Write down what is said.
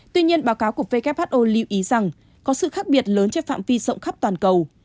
tuy nhiên báo cáo của who lưu ý rằng có sự khác biệt lớn trên phạm vi rộng khắp toàn cầu